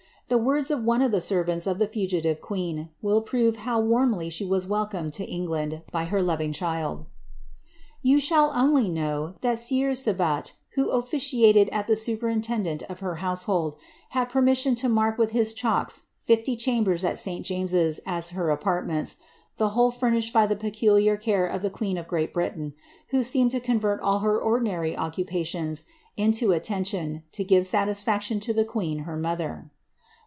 The words of one of the servants' of the fugitive queen will prove how warmly she was wel comed to England by her loving child. ^ You shall only know, that the Sieur Sebat, who officiated as the superintendant of her household, had permission to mark with his chalks fifty chambers at St. James's u her apartments, the whole fumisiied by the particular care of the queen of Great Britain, who seemed to convert all her ordinary occupationi into attention to give satisfaction to the queen, her mother."